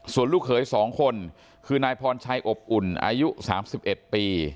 ส่วนลูกเขย๒คนคือนายพรชัยอบอุ่นอายุ๓๑ปี